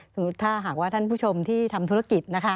สมมุติถ้าหากว่าท่านผู้ชมที่ทำธุรกิจ